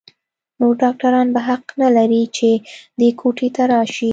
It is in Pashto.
نور ډاکتران به حق نه لري چې دې کوټې ته راشي.